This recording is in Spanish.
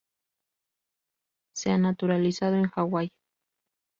Se ha naturalizado en Hawaii.